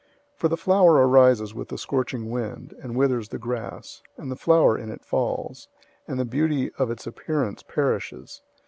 001:011 For the sun arises with the scorching wind, and withers the grass, and the flower in it falls, and the beauty of its appearance perishes.